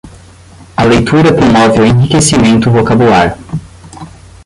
A leitura promove o enriquecimento vocabular